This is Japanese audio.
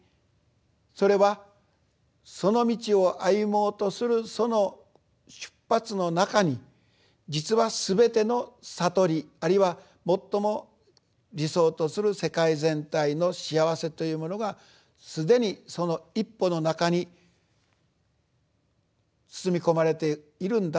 それはその道を歩もうとするその出発の中に実はすべての悟りあるいは最も理想とする世界全体の幸せというものがすでにその一歩の中に包み込まれているんだと。